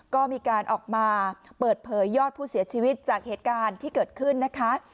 ก็มีการออกมาเปิดเผยยอดผู้เสียชีวิตจากเหตุการณ์ที่เกิดขึ้นนะคะ